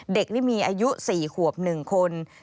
เด็กนี่มีอายุ๔ขวบ๑คน